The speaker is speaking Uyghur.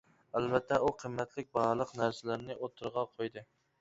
ئەلۋەتتە ئۇ قىممەتلىك باھالىق نەرسىلەرنى ئوتتۇرىغا قويدى.